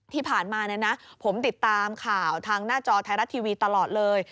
ที่ผ่านมาผมติดตามข่าวทางหน้าจอไทยรัฐทีวีตลอดเลย